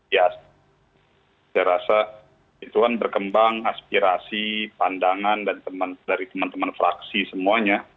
ya saya rasa itu kan berkembang aspirasi pandangan dari teman teman fraksi semuanya